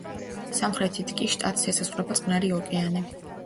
სამხრეთით კი შტატს ესაზღვრება წყნარი ოკეანე.